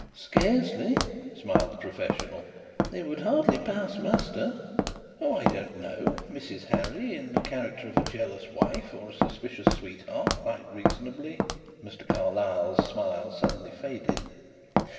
"Scarcely," smiled the professional. "It would hardly pass muster." "Oh, I don't know. Mrs. Harry, in the character of a jealous wife or a suspicious sweetheart, might reasonably " Mr. Carlyle's smile suddenly faded.